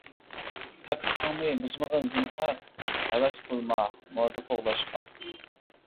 پاكلىقىڭنى بۇزمىغىن زىنھار، ھەۋەس قىلما ‹مودا› قوغلاشقا.